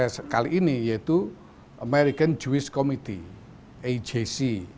saya sekali ini yaitu american jewish committee ajc